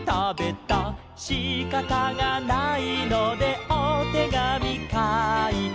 「しかたがないのでおてがみかいた」